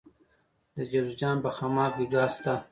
د جوزجان په خماب کې ګاز شته.